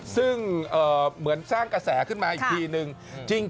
ซึ่งเหมือนสร้างกระแสขึ้นมาอีกทีนึง